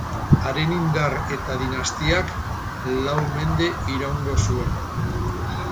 Haren indar eta dinastiak lau mende iraungo zuen.